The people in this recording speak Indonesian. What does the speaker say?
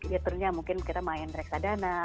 ya tentunya mungkin kita main reksadana